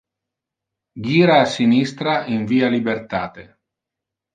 Gira a sinistra in via libertate.